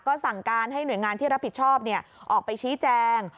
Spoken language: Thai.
ก็สั่งการให้หน่วยงานที่รับผิดชอบออกไปชี้แจง